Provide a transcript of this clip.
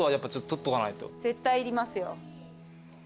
絶対いりますよ。